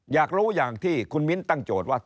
อยากรู้อย่างที่คุณมิ้นตั้งโจทย์ว่า